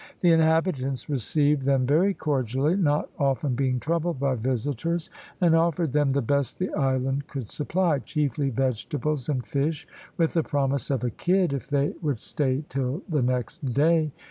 The inhabitants received them very cordially not often being troubled by visitors, and offered them the best the island could supply, chiefly vegetables and fish, with the promise of a kid if they would stay till the next day.